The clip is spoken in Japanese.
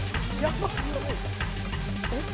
えっ